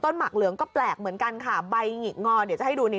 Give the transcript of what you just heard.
หมักเหลืองก็แปลกเหมือนกันค่ะใบหงิกงอเดี๋ยวจะให้ดูนี่